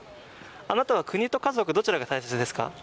あなたは国と家族どちらが大切ですか？